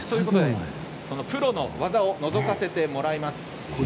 プロの技をのぞかせてもらいます。